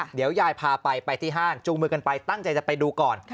เดี๋ยวยายพาไปไปที่ห้างจูงมือกันไปตั้งใจจะไปดูก่อน